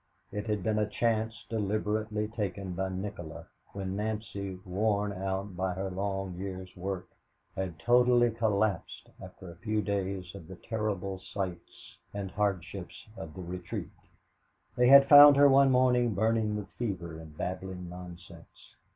It had been a chance deliberately taken by Nikola when Nancy, worn out by her long year's work, had totally collapsed after a few days of the terrible sights and hardships of the retreat. They had found her one morning burning with fever and babbling nonsense.